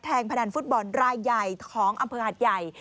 พนันฟุตบอลรายใหญ่ของอำเภอหัดใหญ่